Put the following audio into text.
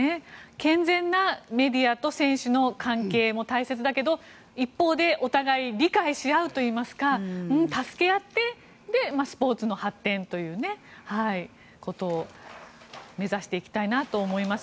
健全なメディアと選手の関係も大切だけれども一方でお互いに理解し合うという助け合ってスポーツの発展ということを目指していきたいなと思います。